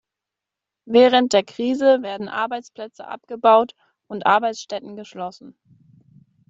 Während der Krise werden Arbeitsplätze abgebaut und Arbeitsstätten geschlossen.